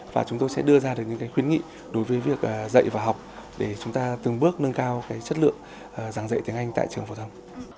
và chúng tôi sẽ đưa ra được những khuyến nghị đối với việc dạy và học để chúng ta từng bước nâng cao chất lượng giảng dạy tiếng anh tại trường phổ thông